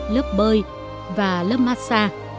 lớp bơi và lớp massage